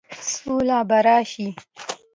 سوله به راشي،